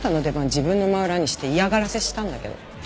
自分の真裏にして嫌がらせしたんだけど。